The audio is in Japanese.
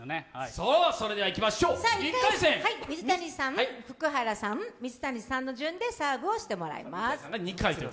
それでは１回戦、水谷さん、福原さん、水谷さんの順でサーブをしてもらいます。